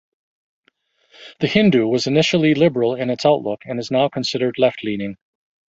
"The Hindu" was initially liberal in its outlook and is now considered left leaning.